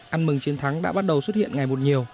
ăn mừng chiến thắng đã bắt đầu xuất hiện ngày một nhiều